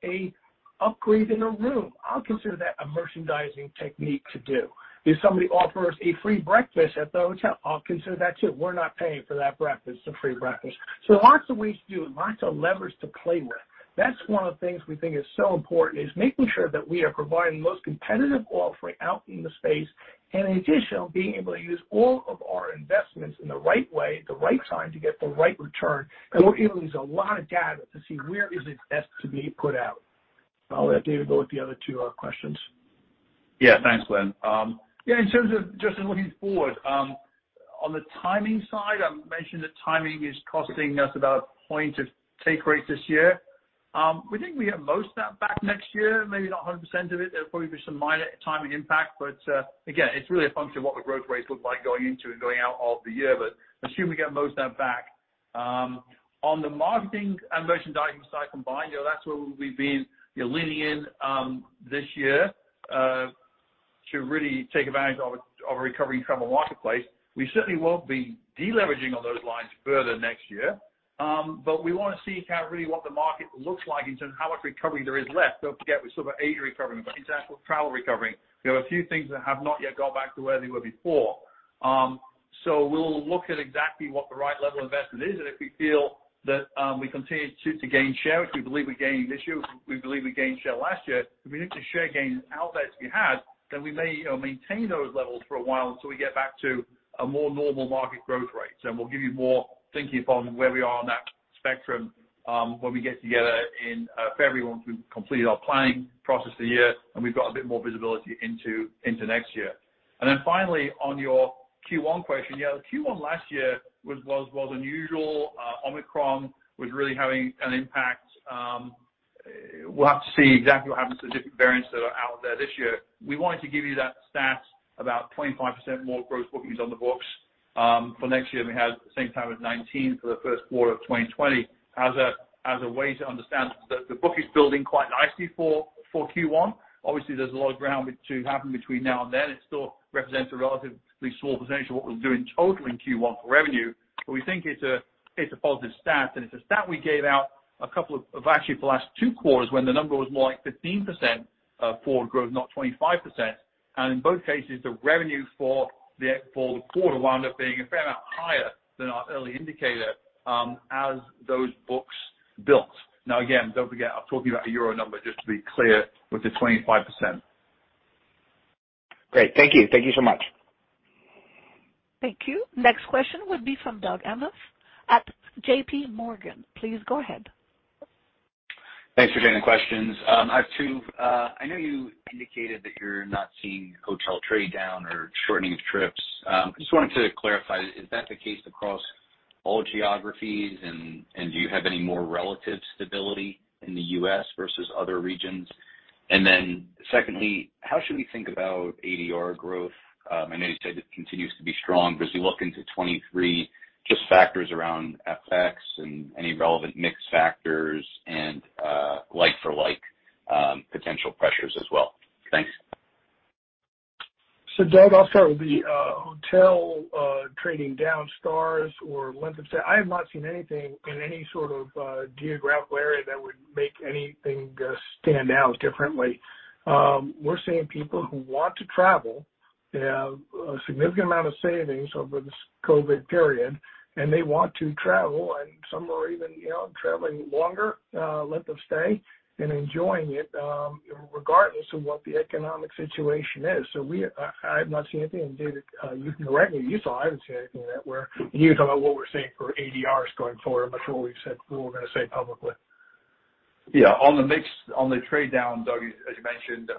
upgrading a room, I'll consider that a merchandising technique to do. If somebody offers a free breakfast at the hotel, I'll consider that, too. We're not paying for that breakfast, it's a free breakfast. Lots of ways to do it, lots of levers to play with. That's one of the things we think is so important, is making sure that we are providing the most competitive offering out in the space, and in addition, being able to use all of our investments in the right way at the right time to get the right return. We're able to use a lot of data to see where is it best to be put out. I'll let David go with the other two, questions. Yeah, thanks, Glenn. Yeah, in terms of just looking forward, on the timing side, I mentioned that timing is costing us about a point of take rates this year. We think we have most of that back next year, maybe not 100% of it. There'll probably be some minor timing impact, but again, it's really a function of what the growth rates look like going into and going out of the year. Assume we get most of that back. On the marketing and merchandising side combined, you know, that's where we've been, you know, leaning in this year to really take advantage of a recovery in travel marketplace. We certainly won't be deleveraging on those lines further next year. We wanna see kind of really what the market looks like in terms of how much recovery there is left. Don't forget, we're sort of ADR recovery, but in terms of travel recovery. There are a few things that have not yet got back to where they were before. We'll look at exactly what the right level of investment is, and if we feel that we continue to gain share, which we believe we gained this year, we believe we gained share last year, if we need to share-gain outlays we had, then we may, you know, maintain those levels for a while until we get back to a more normal market growth rate. We'll give you more thinking on where we are on that spectrum, when we get together in February, once we've completed our planning process of the year, and we've got a bit more visibility into next year. Then finally, on your Q1 question, yeah, Q1 last year was unusual. Omicron was really having an impact. We'll have to see exactly what happens to the different variants that are out there this year. We wanted to give you that stat about 25% more gross bookings on the books, for next year than we had at the same time as 2019 for the first quarter of 2020 as a way to understand that the book is building quite nicely for Q1. Obviously, there's a lot of ground to happen between now and then. It still represents a relatively small percentage of what we'll do in total in Q1 for revenue. We think it's a positive stat. It's a stat we gave out a couple of actually for the last two quarters when the number was more like 15%, forward growth, not 25%. In both cases, the revenue for the quarter wound up being a fair amount higher than our early indicator, as those books built. Now, again, don't forget, I'm talking about a euro number, just to be clear, with the 25%. Great. Thank you. Thank you so much. Thank you. Next question would be from Doug Anmuth at JPMorgan. Please go ahead. Thanks for taking the questions. I have two. I know you indicated that you're not seeing hotel trade down or shortening of trips. I just wanted to clarify, is that the case across all geographies? And do you have any more relative stability in the U.S. versus other regions? And then secondly, how should we think about ADR growth? I know you said it continues to be strong. As you look into 2023, just factors around FX and any relevant mix factors and, like for like, potential pressures as well. Thanks. Doug, I'll start with the hotel trading down stars or length of stay. I have not seen anything in any sort of geographical area that would make anything stand out differently. We're seeing people who want to travel. They have a significant amount of savings over this COVID period, and they want to travel, and some are even, you know, traveling longer length of stay and enjoying it regardless of what the economic situation is. I have not seen anything, and David, you can correct me if you saw it. I haven't seen anything of that, where you can talk about what we're seeing for ADRs going forward. I'm not sure what we've said, what we're gonna say publicly. Yeah. On the mix, on the trade down, Doug, as you mentioned,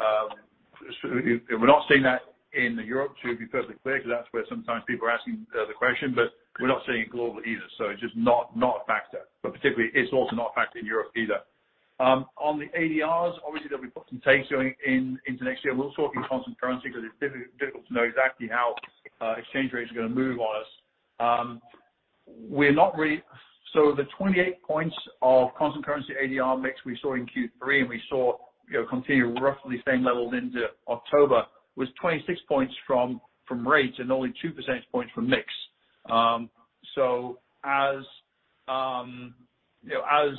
we're not seeing that in Europe, to be perfectly clear, because that's where sometimes people are asking the question, but we're not seeing it global either, it's just not a factor. Particularly, it's also not a factor in Europe either. On the ADRs, obviously, there'll be some puts and takes going into next year. We're all talking constant currency because it's difficult to know exactly how exchange rates are gonna move on us. The 28 points of constant currency ADR mix we saw in Q3 and we saw continue roughly the same levels into October was 26 points from rates and only 2 percentage points from mix. As you know, as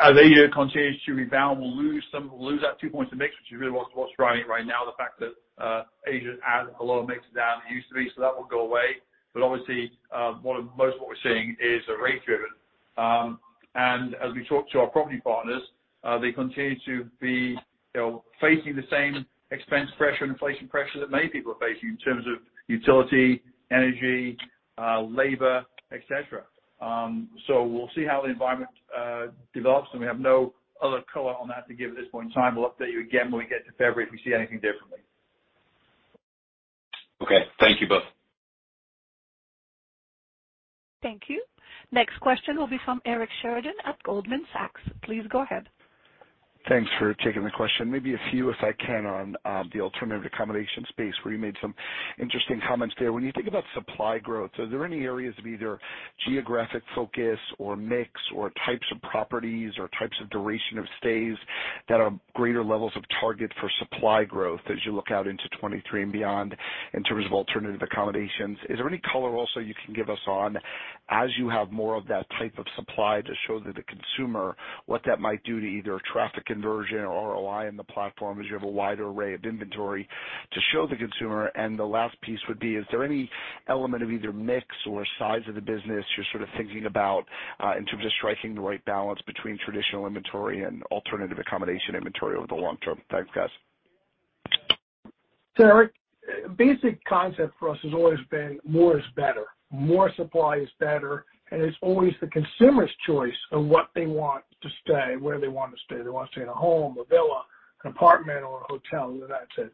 ADR continues to rebound, we'll lose that 2 points of mix, which is really what's driving right now, the fact that Asia has a lower mix than it used to be, so that will go away. Obviously, most of what we're seeing is rate-driven. As we talk to our property partners, they continue to be, you know, facing the same expense pressure and inflation pressure that many people are facing in terms of utility, energy, labor, et cetera. We'll see how the environment develops, and we have no other color on that to give at this point in time. We'll update you again when we get to February if we see anything differently. Okay. Thank you both. Thank you. Next question will be from Eric Sheridan at Goldman Sachs. Please go ahead. Thanks for taking the question. Maybe a few, if I can, on the alternative accommodation space where you made some interesting comments there. When you think about supply growth, are there any areas of either geographic focus or mix or types of properties or types of duration of stays that are greater levels of target for supply growth as you look out into 2023 and beyond in terms of alternative accommodations? Is there any color also you can give us on. As you have more of that type of supply to show to the consumer, what that might do to either traffic conversion or ROI in the platform as you have a wider array of inventory to show the consumer and the last piece would be, is there any element of either mix or size of the business you're sort of thinking about, in terms of striking the right balance between traditional inventory and alternative accommodations inventory over the long term? Thanks, guys. Eric, basic concept for us has always been more is better, more supply is better, and it's always the consumer's choice of what they want to stay, where they want to stay. They want to stay in a home, a villa, an apartment, or a hotel, whether that's it.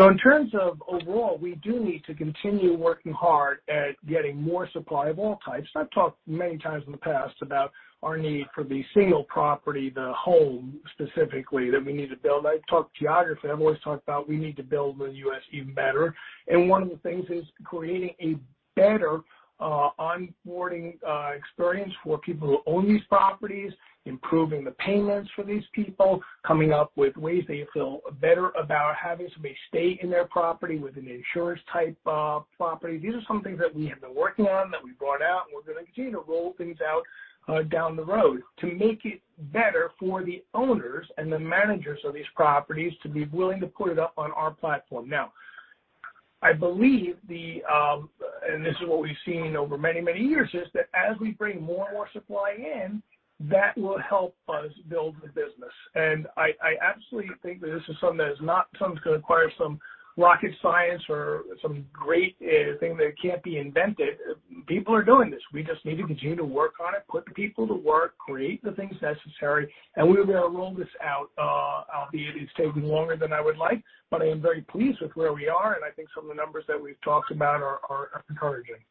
In terms of overall, we do need to continue working hard at getting more supply of all types. I've talked many times in the past about our need for the single property, the home specifically, that we need to build. I've talked geography. I've always talked about we need to build in the US even better. One of the things is creating a better onboarding experience for people who own these properties, improving the payments for these people, coming up with ways that you feel better about having somebody stay in their property with an insurance type of property. These are some things that we have been working on that we brought out, and we're gonna continue to roll things out down the road to make it better for the owners and the managers of these properties to be willing to put it up on our platform. Now, I believe the and this is what we've seen over many, many years, is that as we bring more and more supply in, that will help us build the business. I absolutely think that this is something that is not something that's gonna require some rocket science or some great thing that can't be invented. People are doing this. We just need to continue to work on it, put the people to work, create the things necessary, and we are gonna roll this out. Albeit it's taking longer than I would like, but I am very pleased with where we are, and I think some of the numbers that we've talked about are encouraging.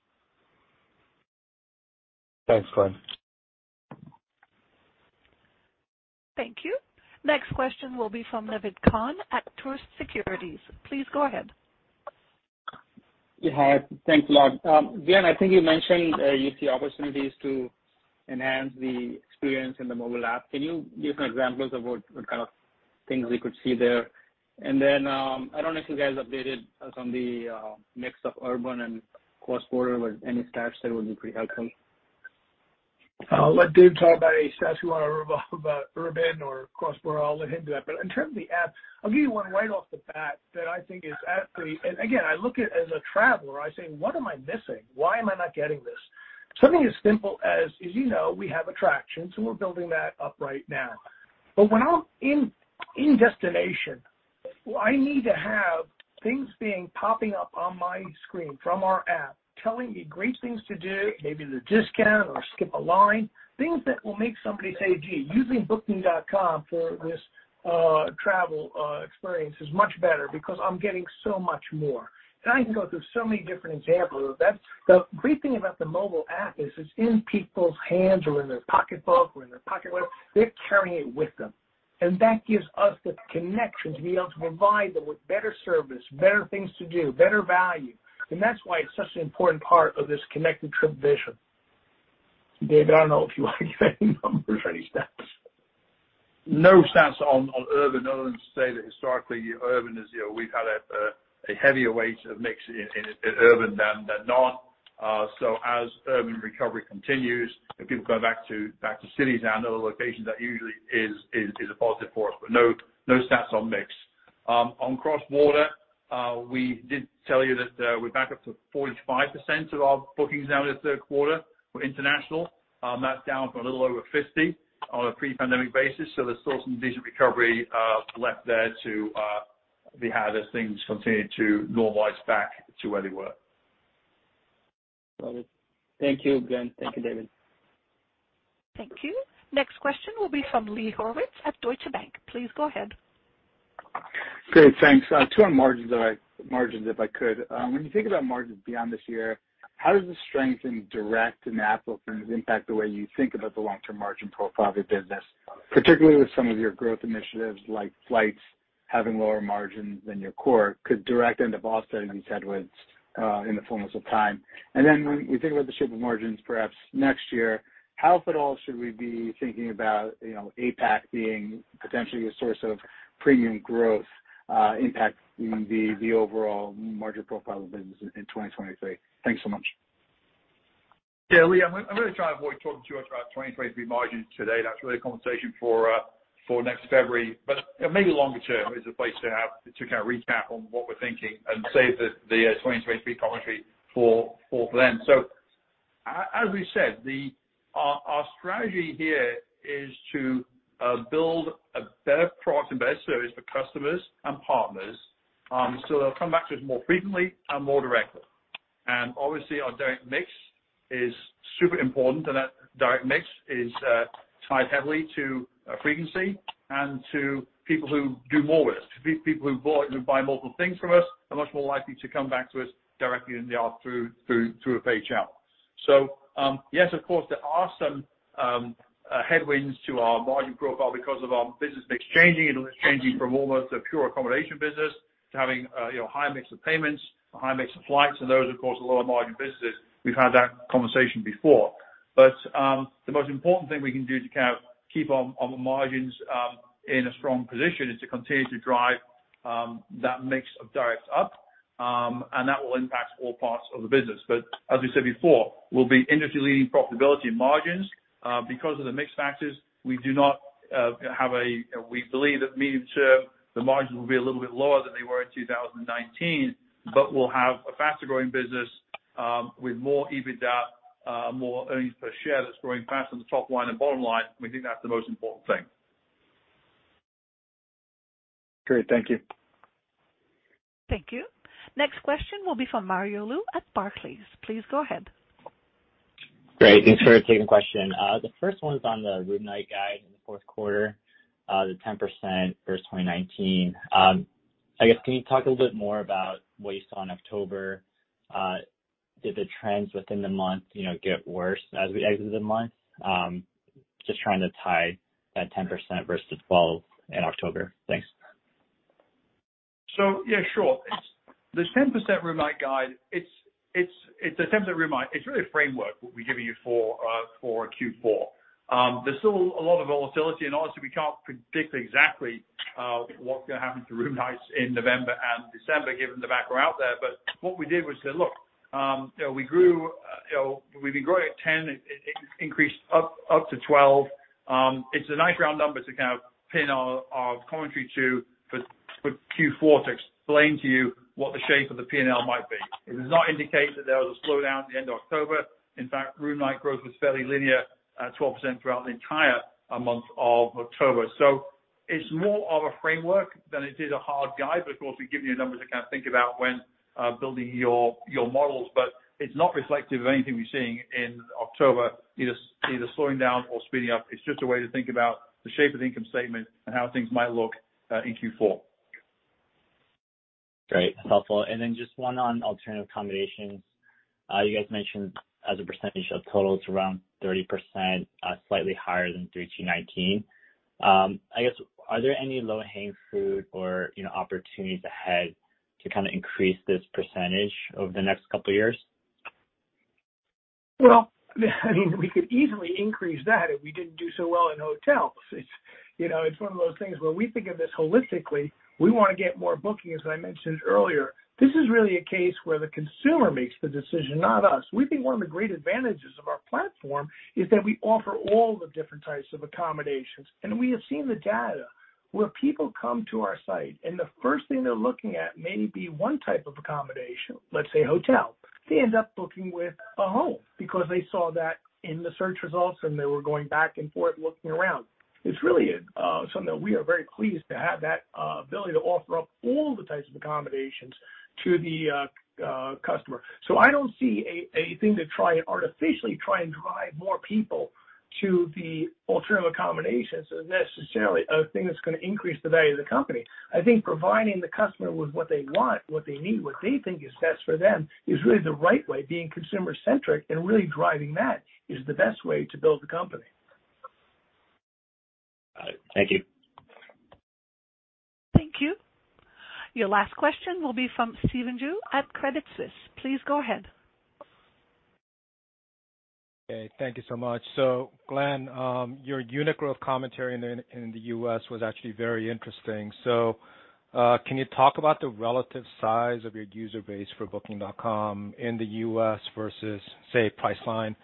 Thanks, Glenn. Thank you. Next question will be from Naved Khan at Truist Securities. Please go ahead. Yeah. Thanks a lot. Glenn, I think you mentioned you see opportunities to enhance the experience in the mobile app. Can you give some examples of what kind of things we could see there? I don't know if you guys updated us on the mix of urban and cross-border, but any stats there would be pretty helpful. I'll let Dave talk about any stats you wanna reveal about urban or cross-border. I'll let him do that. In terms of the app, I'll give you one right off the bat that I think is absolutely. Again, I look at as a traveler. I say, "What am I missing? Why am I not getting this?" Something as simple as you know, we have attractions, and we're building that up right now. When I'm in destination, I need to have things popping up on my screen from our app telling me great things to do, maybe the discount or skip a line, things that will make somebody say, "Gee, using Booking.com for this, travel, experience is much better because I'm getting so much more." I can go through so many different examples of that. The great thing about the mobile app is it's in people's hands or in their pocketbook or in their pocket, whatever. They're carrying it with them. That gives us the connection to be able to provide them with better service, better things to do, better value. That's why it's such an important part of this Connected Trip vision. David, I don't know if you want to give any numbers or any stats. No stats on urban other than to say that historically urban is, you know, we've had a heavier weight of mix in urban than not. As urban recovery continues and people go back to cities and other locations, that usually is a positive for us. No stats on mix. On cross-border, we did tell you that we're back up to 45% of our bookings now in the third quarter were international. That's down from a little over 50% on a pre-pandemic basis. There's still some decent recovery left there to be had as things continue to normalize back to where they were. Got it. Thank you, Glenn. Thank you, David. Thank you. Next question will be from Lee Horowitz at Deutsche Bank. Please go ahead. Great. Thanks. Two on margins, if I could. When you think about margins beyond this year, how does the strength in direct and Apple trends impact the way you think about the long-term margin profile of your business, particularly with some of your growth initiatives like flights having lower margins than your core? Could direct end up offsetting these headwinds, in the fullness of time? Then when we think about the shape of margins perhaps next year, how, if at all, should we be thinking about, you know, APAC being potentially a source of premium growth, impacting the overall margin profile of the business in 2023? Thanks so much. Yeah, Lee, I'm gonna try and avoid talking to you about 2023 margins today. That's really a conversation for next February, but maybe longer term is a place to have to kind of recap on what we're thinking and save the 2023 commentary for Glenn. As we said, our strategy here is to build a better product and better service for customers and partners, so they'll come back to us more frequently and more directly. Obviously, our direct mix is super important, and that direct mix is tied heavily to frequency and to people who do more with us. These people who buy multiple things from us are much more likely to come back to us directly than they are through a paid channel. Yes, of course, there are some headwinds to our margin profile because of our business mix changing. It'll evolve from almost a pure accommodation business to having, you know, higher mix of payments, a higher mix of flights, and those, of course, are lower margin businesses. We've had that conversation before. The most important thing we can do to kind of keep our margins in a strong position is to continue to drive that mix of directs up. That will impact all parts of the business. As we said before, we'll be industry-leading profitability in margins. Because of the mix factors, we believe that medium-term, the margins will be a little bit lower than they were in 2019, but we'll have a faster growing business, with more EBITDA, more earnings per share that's growing faster than the top line and bottom line. We think that's the most important thing. Great. Thank you. Thank you. Next question will be from Mario Lu at Barclays. Please go ahead. Great. Thanks for taking the question. The first one is on the room night guide in the fourth quarter, the 10% versus 2019. I guess, can you talk a little bit more about what you saw in October? Did the trends within the month, you know, get worse as we exited the month? Just trying to tie that 10% versus 12 in October. Thanks. Yeah, sure. This 10% room nights guidance, it's a tentative guidance—it's really a framework what we're giving you for Q4. There's still a lot of volatility and honestly, we can't predict exactly what's gonna happen to room nights in November and December, given the background out there. What we did was say, "Look, you know, we've been growing at 10%, up to 12%. It's a nice round number to kind of pin our commentary to for Q4 to explain to you what the shape of the P&L might be." It does not indicate that there was a slowdown at the end of October. In fact, room nights growth was fairly linear at 12% throughout the entire month of October. It's more of a framework than it is a hard guide, but of course, we give you the numbers to kind of think about when building your models, but it's not reflective of anything we're seeing in October, either slowing down or speeding up. It's just a way to think about the shape of the income statement and how things might look in Q4. Great. That's helpful. Then just one on alternative accommodations. You guys mentioned as a percentage of total, it's around 30%, slightly higher than Q3 2019. I guess, are there any low-hanging fruit or, you know, opportunities ahead to kinda increase this percentage over the next couple of years? Well, I mean, we could easily increase that if we didn't do so well in hotels. It's, you know, it's one of those things where we think of this holistically. We wanna get more bookings, as I mentioned earlier. This is really a case where the consumer makes the decision, not us. We think one of the great advantages of our platform is that we offer all the different types of accommodations. We have seen the data where people come to our site, and the first thing they're looking at may be one type of accommodation, let's say hotel. They end up booking a home because they saw that in the search results, and they were going back and forth looking around. It's really something that we are very pleased to have that ability to offer up all the types of accommodations to the customer. I don't see a thing to try artificially and drive more people to the alternative accommodations as necessarily a thing that's gonna increase the value of the company. I think providing the customer with what they want, what they need, what they think is best for them, is really the right way, being consumer-centric and really driving that is the best way to build the company. All right. Thank you. Thank you. Your last question will be from Stephen Ju at Credit Suisse. Please go ahead. Okay. Thank you so much. Glenn, your unit growth commentary in the US was actually very interesting. Can you talk about the relative size of your user base for Booking.com in the US versus, say, Priceline?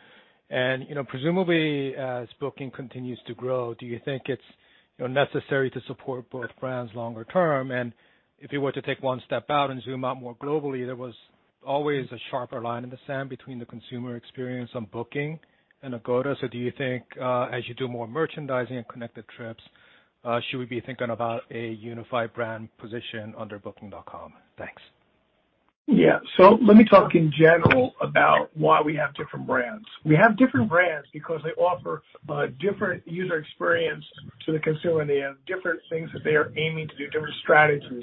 You know, presumably as booking continues to grow, do you think it's, you know, necessary to support both brands longer term? If you were to take one step out and zoom out more globally, there was always a sharper line in the sand between the consumer experience on booking and Agoda. Do you think, as you do more merchandising and connected trips, should we be thinking about a unified brand position under Booking.com? Thanks. Yeah. Let me talk in general about why we have different brands. We have different brands because they offer a different user experience to the consumer, and they have different things that they are aiming to do, different strategies.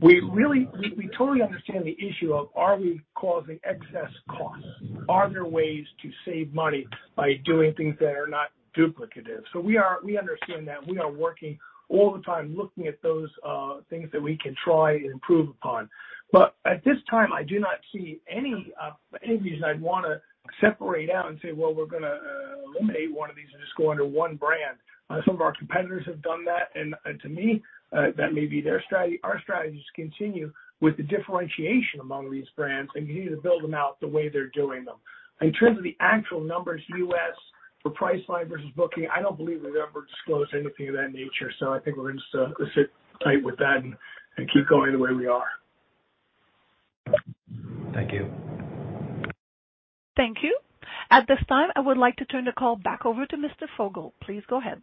We really totally understand the issue of are we causing excess costs? Are there ways to save money by doing things that are not duplicative? We understand that. We are working all the time looking at those things that we can try and improve upon. But at this time, I do not see any reason I'd wanna separate out and say, "Well, we're gonna eliminate one of these and just go under one brand." Some of our competitors have done that, and to me, that may be their strategy. Our strategy is to continue with the differentiation among these brands, and continue to build them out the way they're doing them. In terms of the actual numbers, U.S. for Priceline versus Booking, I don't believe we've ever disclosed anything of that nature, so I think we're gonna just sit tight with that and keep going the way we are. Thank you. Thank you. At this time, I would like to turn the call back over to Mr. Fogel. Please go ahead.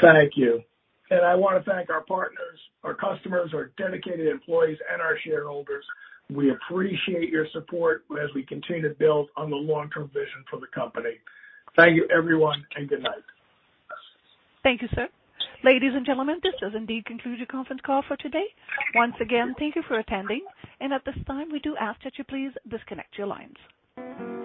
Thank you. I wanna thank our partners, our customers, our dedicated employees, and our shareholders. We appreciate your support as we continue to build on the long-term vision for the company. Thank you, everyone, and good night. Thank you, sir. Ladies and gentlemen, this does indeed conclude your conference call for today. Once again, thank you for attending, and at this time, we do ask that you please disconnect your lines.